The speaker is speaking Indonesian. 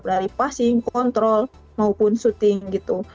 dari passing control maupun shooting gitu